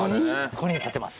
ここに立てます。